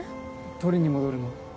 取りに戻るの？